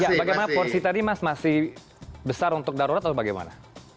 ya bagaimana porsi tadi mas masih besar untuk darurat atau bagaimana